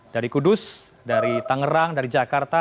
dari kudus dari tangerang dari jakarta